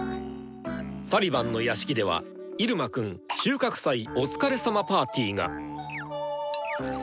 サリバンの屋敷では「入間くん収穫祭お疲れさまパーティー」が。